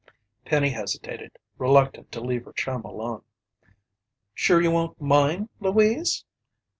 Penny hesitated, reluctant to leave her chum alone. "Sure you won't mind, Louise?"